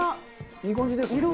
いい感じですね。